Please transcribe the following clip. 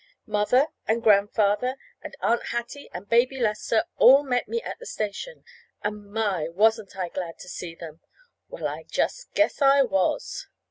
Mother and Grandfather and Aunt Hattie and Baby Lester all met me at the station. And, my! wasn't I glad to see them? Well, I just guess I was!